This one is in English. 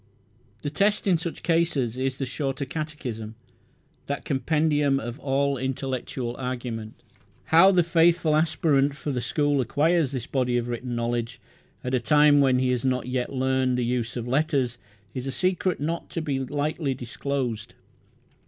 The test in such cases is the Shorter Catechism, that compendium of all intellectual argument. How the faithful aspirant for the school acquires this body of written knowledge at a time when he has not yet learned the use of letters is a secret not to be lightly disclosed.